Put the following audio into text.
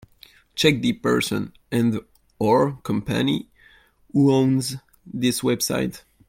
Check the person and/or company who owns this website.